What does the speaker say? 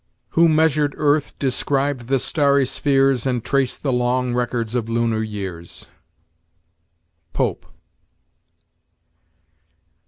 "Who measured earth, described the starry spheres, And traced the long records of lunar years." Pope.